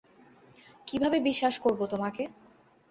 কীভাবে বিশ্বাস করব তোমাকে?